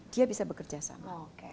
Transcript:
dia bisa bekerjasama